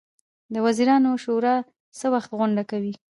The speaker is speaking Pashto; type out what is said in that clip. د وزیرانو شورا څه وخت غونډه کوي؟